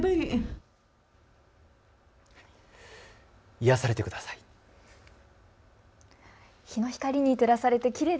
癒やされてください。